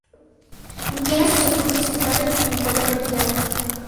Tiene sus estudios centrales en Collado Villalba.